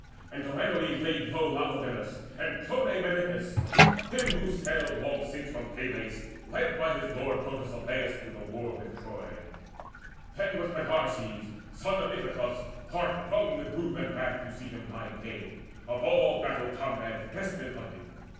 And Derinoe laid low Laogonus, And Clonie Menippus, him who sailed Long since from Phylace, led by his lord Protesilaus to the war with Troy. Then was Podarces, son of Iphiclus, Heart wrung with ruth and wrath to see him lie Dead, of all battle comrades best beloved.